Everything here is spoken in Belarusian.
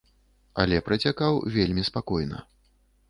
Але працякаў вельмі спакойна.